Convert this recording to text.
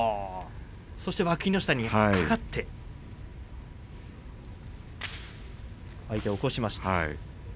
そしてわきの下に掛かって相手を起こしました。